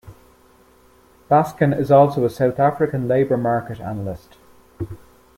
Baskin is also a South African labour market analyst.